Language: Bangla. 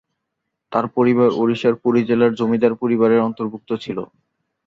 তাঁর পরিবার ওড়িশার পুরী জেলার জমিদার পরিবারের অন্তর্ভুক্ত ছিল।